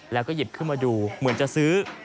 แล้วก็หยิบขึ้นมาดูเหมือนจะซื้อ